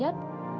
là lọ tiệt trùng